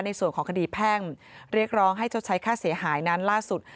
ในส่วนของคดีแพ่งเรียกร้องให้ชดใช้ค่าเสียหายนั้นล่าสุด